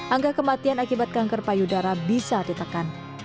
angka kematian akibat kanker payudara bisa ditekan